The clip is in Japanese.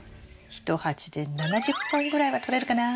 １鉢で７０本ぐらいはとれるかな？